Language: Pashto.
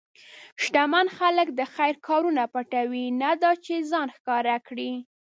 شتمن خلک د خیر کارونه پټوي، نه دا چې ځان ښکاره کړي.